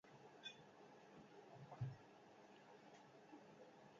Azken asteotan zuri-gorrien garaipenak baldintzatutako eskaintza bereziak nabarmen areagotu dira.